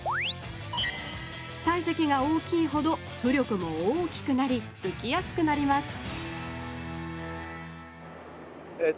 体積が大きいほど浮力も大きくなりうきやすくなりますえっとどうすればいい？